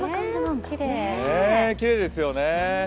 ねえ、きれいですよね。